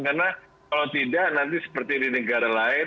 karena kalau tidak nanti seperti di negara lain